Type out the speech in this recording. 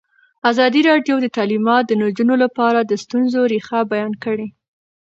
ازادي راډیو د تعلیمات د نجونو لپاره د ستونزو رېښه بیان کړې.